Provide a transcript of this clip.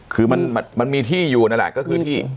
คือมันมีที่อยู่นั่นแหละก็คือที่